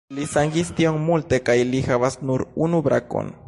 Li sangis tiom multe kaj li havas nur unu brakon.